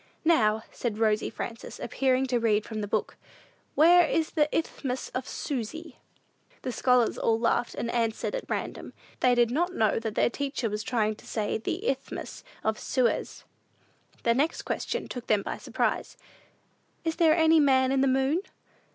"Now," said Rosy Frances, appearing to read from the book, "where is the Isthmus of Susy?" The scholars all laughed, and answered at random. They did not know that their teacher was trying to say the "Isthmus of Suez." The next question took them by surprise: "Is there any man in the moon?"